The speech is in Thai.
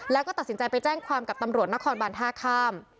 แล้วก็ตัดสินใจไปแจ้งความกับตำรวจนครบานท่าข้าม